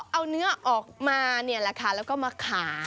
เอาเนื้อออกมาเนี่ยแหละค่ะแล้วก็มาขาย